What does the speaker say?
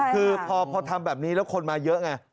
คือพอทำแบบนี้แล้วคนมาเยอะไง